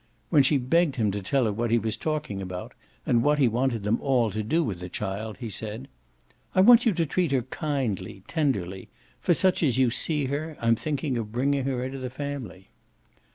When she begged him to tell her what he was talking about and what he wanted them all to do with the child he said: "I want you to treat her kindly, tenderly, for such as you see her I'm thinking of bringing her into the family."